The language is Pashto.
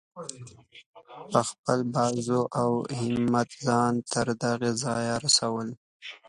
په خپل بازو او همت ځان تر دغه ځایه رسولی.